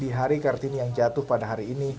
di hari kartini yang jatuh pada hari ini